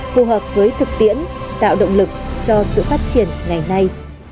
phù hợp với thực tiễn tạo động lực cho sự phát triển ngày nay